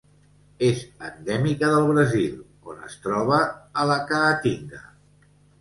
És endèmica del Brasil, on es troba a la Caatinga.